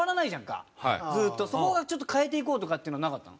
そこはちょっと変えていこうとかっていうのなかったの？